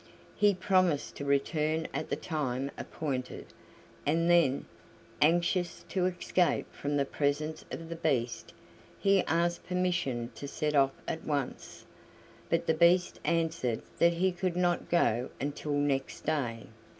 He promised to return at the time appointed, and then, anxious to escape from the presence of the Beast, he asked permission to set off at once. But the Beast answered that he could not go until next day.